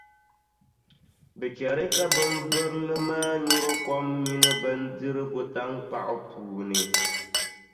Di chɛri ka bimbirili maa nyuri kom mini bindirigu taŋkpaɣu puuni.